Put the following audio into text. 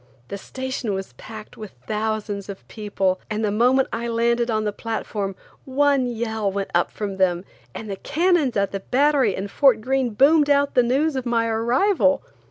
The station was packed with thousands of people, and the moment I landed on the platform, one yell went up from them, and the cannons at the Battery and Fort Greene boomed out the news of my arrival.